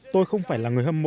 tôi không phải là người hợp tác